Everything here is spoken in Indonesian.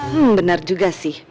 hmm benar juga sih